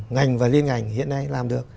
ngành và liên ngành hiện nay làm được